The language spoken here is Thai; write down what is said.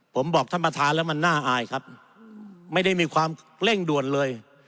ผมบอกท่านประธานแล้วมันน่าอายครับไม่ได้มีความเร่งด่วนเลย